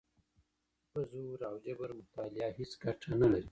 په زور او جبر مطالعه هېڅ ګټه نه لري.